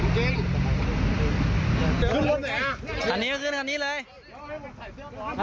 อ่าเจ้าต่อสำรวจ